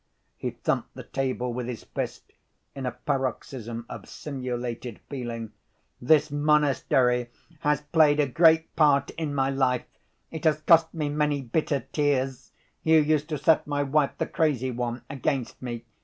He thumped the table with his fist in a paroxysm of simulated feeling. "This monastery has played a great part in my life! It has cost me many bitter tears. You used to set my wife, the crazy one, against me.